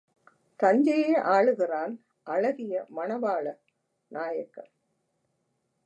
தஞ்சையை ஆளுகிறான் அழகிய மணவாள நாயக்கன்.